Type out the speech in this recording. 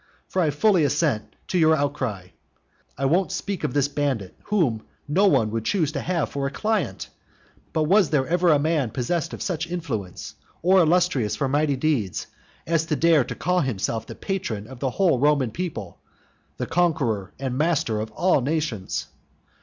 For I fully assent to your outcry. I won't speak of this bandit whom no one would choose to have for a client, but was there ever a man possessed of such influence, or illustrious for mighty deeds, as to dare to call himself the patron of the whole Roman people, the conqueror and master of all nations?